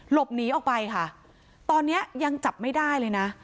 หลบหนีออกไปค่ะตอนนี้ยังจับไม่ได้เลยนะ